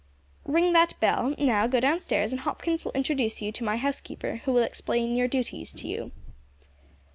"Ring that bell; now, go downstairs and Hopkins will introduce you to my housekeeper, who will explain your duties to you."